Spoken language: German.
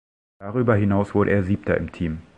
Darüber hinaus wurde er Siebter im Team.